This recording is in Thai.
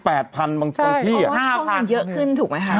เพราะว่าช่องมันเยอะขึ้นถูกไหมคะ